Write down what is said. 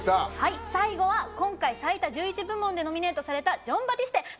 最後は今回最多１１部門でノミネートされたジョン・バティステ。